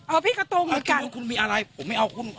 เอ้าพี่ก็ตรงอยู่กันอ่าคุณมีอะไรผมไม่เอาคุณ